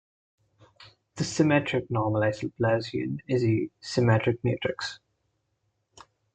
The symmetric normalized Laplacian is a symmetric matrix.